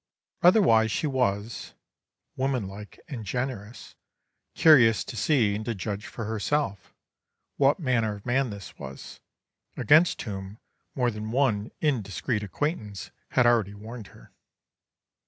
Otherwise she was, womanlike and generous, curious to see, and to judge for herself, what manner of man this was, against whom more than one indiscreet acquaintance had already warned her.